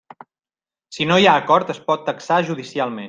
Si no hi ha acord, es pot taxar judicialment.